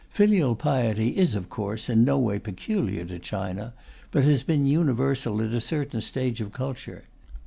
Filial piety is, of course, in no way peculiar to China, but has been universal at a certain stage of culture.